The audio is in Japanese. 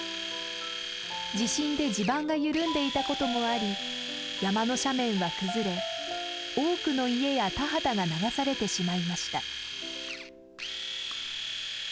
地震で地盤が緩んでいたこともあり山の斜面は崩れ多くの家や田畑が流されてしまいました。